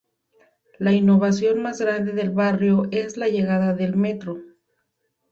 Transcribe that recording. La innovación más grande del barrio es la llegada del metro.